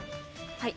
はい。